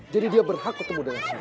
jadi dia berhak ketemu dengan siva